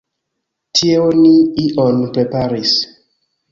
Tie oni ion preparis.